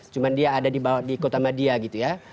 cuma dia ada di kota madia gitu ya